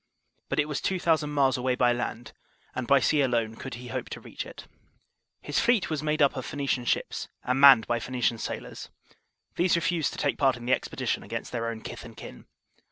But it was two thousand miles away by land, and by sea alone could he hope to reach it. His fleet was made up of Phoe nician ships, and manned by Phoenician sailors. These refused to take part in the expedition against their own kith and kin.